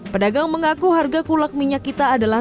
pedagang mengaku harga kulak minyak kita adalah